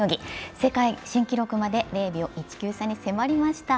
世界新記録まで０秒１９差に迫りました。